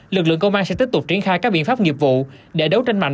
lực lượng công an sẽ tiếp tục triển khai các biện pháp nghiệp vụ để đấu tranh mạnh